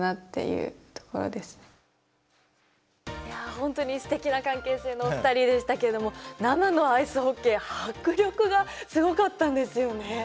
いや本当にすてきな関係性のお二人でしたけれども生のアイスホッケー迫力がすごかったんですよね。